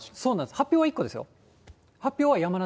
発表は１個ですよ。